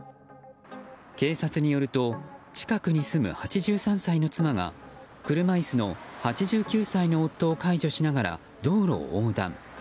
警察によると近くに住む８３歳の妻が車椅子の８９歳の夫を介助しながら道路を横断。